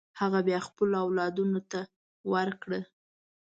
هغه بیا خپلو اولادونو ته ورکړه.